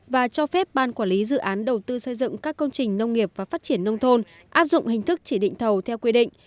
và cho phép ban quản lý dự án đầu tư xây dựng các công trình nông nghiệp và phát triển nông thôn áp dụng hình thức chỉ định thầu theo quy định